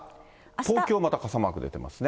東京また傘マーク出てますね。